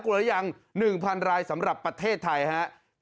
กลัวแล้วยังหนึ่งพันรายสำหรับประเทศไทยฮะ